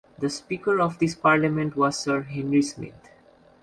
The Speaker of this parliament was Sir Henry Smith.